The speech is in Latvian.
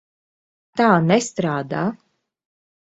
Tā nestrādā.